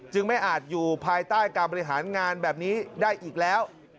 ไม่อาจอยู่ภายใต้การบริหารงานแบบนี้ได้อีกแล้ว